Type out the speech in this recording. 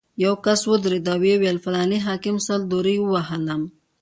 یو کس ودرېد او ویې ویل: فلاني حاکم سل درې ووهلم.